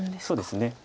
そうですね。